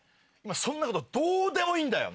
そんなことどうでもいいんだよ